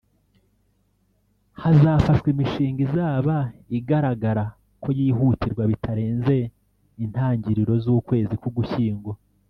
Hazafashwa imishinga izaba igaragara ko yihutirwa bitarenze intangiro z’ukwezi kw’Ugushyingo